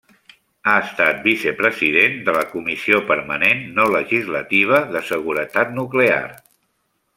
Ha estat vicepresident Comissió Permanent no legislativa de Seguretat Nuclear.